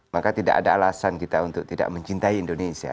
maka tidak ada alasan kita untuk tidak mencintai indonesia